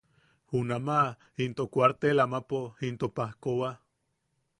Junamaʼa into kuartel amapo into pajkowa.